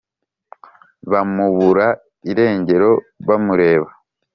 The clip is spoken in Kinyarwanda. bamubura irengero bamureba.